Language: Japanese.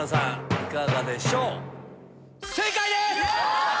いかがでしょう？